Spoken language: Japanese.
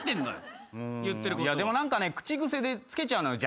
でも何か口癖でつけちゃうのよ。